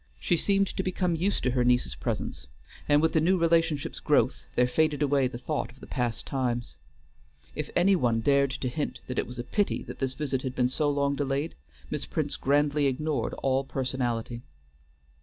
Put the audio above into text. She seemed to become used to her niece's presence, and with the new relationship's growth there faded away the thought of the past times. If any one dared to hint that it was a pity this visit had been so long delayed, Miss Prince grandly ignored all personality.